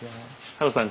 ハルさん